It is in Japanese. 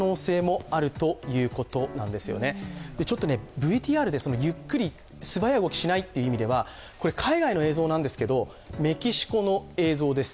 ＶＴＲで、ゆっくり素早い動きをしないという意味では、海外の映像なんですけど、メキシコの映像です。